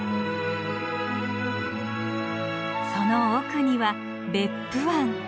その奥には別府湾。